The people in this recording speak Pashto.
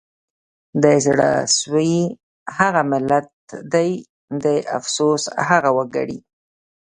د زړه سوي هغه ملت دی د افسوس هغه وګړي